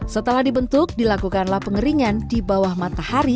setelah dibentuk dilakukan lap pengeringan di bawah matahari